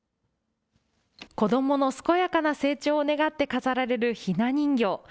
子どもの健やかな成長を願って飾られるひな人形。